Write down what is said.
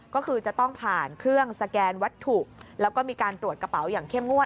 ก็คือจะต้องผ่านเครื่องสแกนวัตถุแล้วก็มีการตรวจกระเป๋าอย่างเข้มงวด